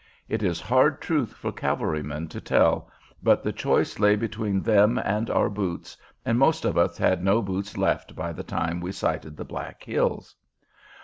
It is hard truth for cavalryman to tell, but the choice lay between them and our boots and most of us had no boots left by the time we sighted the Black Hills.